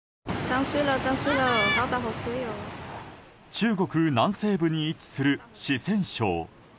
中国南西部に位置する四川省。